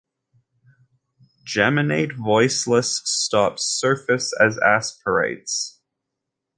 Geminate voiceless stops surface as aspirates.